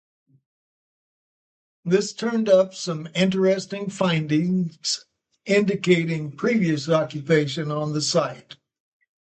This turned up some interesting finds indicating previous occupation on the site.